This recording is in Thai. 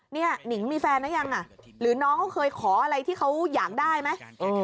นิ้งมีแฟนแล้วยังหรือน้องเคยขออะไรที่เขาอยากได้ไหม